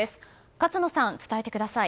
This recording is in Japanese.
勝野さん、伝えてください。